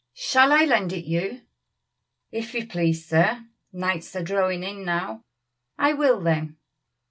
Shall I lend it you?" "If you please, sir. Nights are drawing in now." "I will, then."